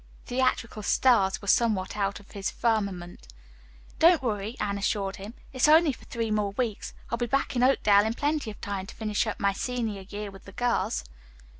Theatrical stars were somewhat out of his firmament. "Don't worry," Anne assured him. "It's only for three more weeks. I'll be back in Oakdale in plenty of time to finish up my senior year with the girls."